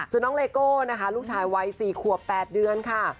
ส่วนน้องเลโก้นะคะลูกชายวัย๔ขวบ๘เดือนค่ะ